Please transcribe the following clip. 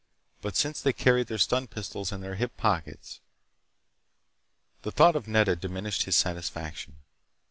But since they carried their stun pistols in their hip pockets— The thought of Nedda diminished his satisfaction.